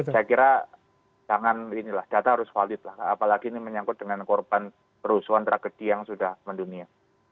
saya kira jangan inilah data harus valid lah apalagi ini menyangkut dengan korban kerusuhan tragedi yang sudah mendunia